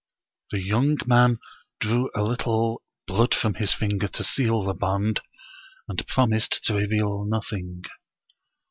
The young man drew a little blood from his finger to seal the bond, and promised to reveal nothing.